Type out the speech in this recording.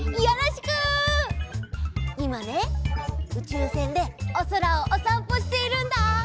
いまねうちゅうせんでおそらをおさんぽしているんだ。